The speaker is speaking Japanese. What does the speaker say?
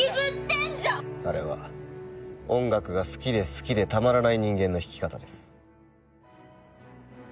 あれは音楽が好きで好きでたまらない人間の弾き方です。